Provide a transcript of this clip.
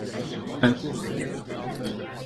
Un courant l'anime.